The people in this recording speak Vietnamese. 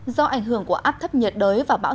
do ảnh hưởng của áp thấp nhiệt đới và bão